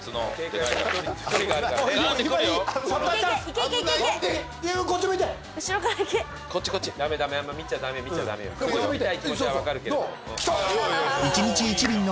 気持ちは分かるけど。